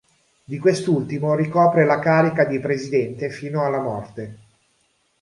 Di quest'ultimo ricopre la carica di presidente fino alla morte.